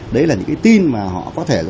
đấy là những cái tin mà họ có thể